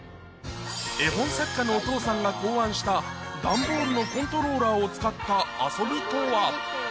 絵本作家のお父さんが考案した、段ボールのコントローラーを使った遊びとは。